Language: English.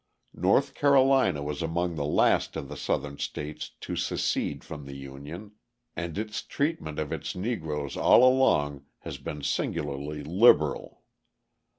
North Carolina was among the last of the Southern states to secede from the Union, and its treatment of its Negroes all along has been singularly liberal.